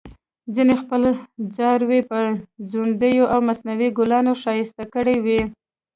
ځینې خپل څاروي په ځونډیو او مصنوعي ګلانو ښایسته کړي وي.